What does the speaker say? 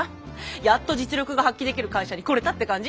やっと実力が発揮できる会社に来れたって感じ？